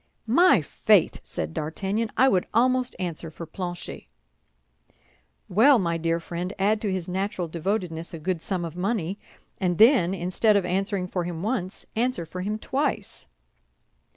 "My faith," said D'Artagnan. "I would almost answer for Planchet." "Well, my dear friend, add to his natural devotedness a good sum of money, and then, instead of answering for him once, answer for him twice."